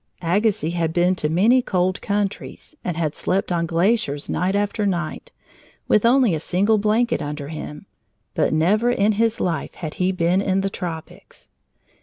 Agassiz had been to many cold countries and had slept on glaciers night after night, with only a single blanket under him, but never in his life had he been in the tropics.